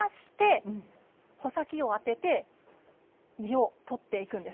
これを回して、穂先を当てて実を取っていくんです。